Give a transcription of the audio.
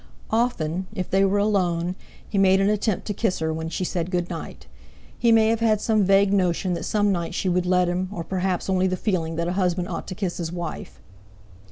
Often, if they were alone, he made an attempt to kiss her when she said good night. He may have had some vague notion that some night she would let him; or perhaps only the feeling that a husband ought to kiss his wife.